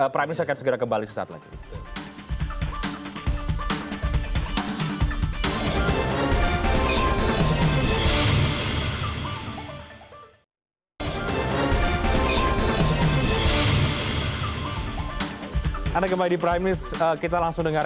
pramin saya akan segera kembali sesaat lain